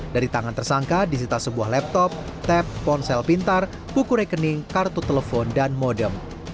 dari tangan tersangka disita sebuah laptop tap ponsel pintar buku rekening kartu telepon dan modem